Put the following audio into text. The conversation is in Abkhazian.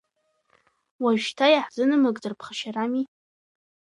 Уажәшьҭа иаҳзынамыгӡар ԥхашьарами.